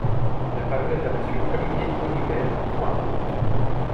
La parole est à Monsieur Olivier Audibert Troin.